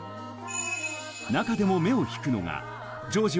中でも目を引くのが常時